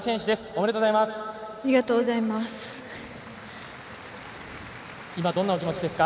ありがとうございます。